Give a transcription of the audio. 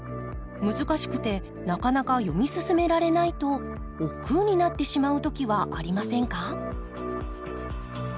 難しくてなかなか読み進められないとおっくうになってしまう時はありませんか？